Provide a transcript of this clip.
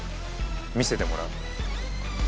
見せてもらう。